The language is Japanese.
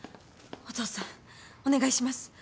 お父さんお願いします。